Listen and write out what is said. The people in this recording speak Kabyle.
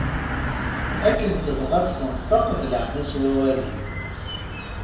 Akken tebɣa ad d-tenṭeq belɛen-as wawalen.